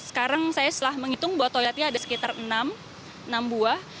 sekarang saya setelah menghitung bahwa toiletnya ada sekitar enam buah